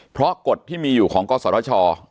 เพราะกฎที่มีอยู่ของกศช